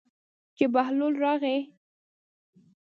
چې بهلول راغی.